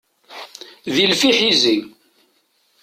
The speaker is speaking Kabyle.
D ilef iḥizi.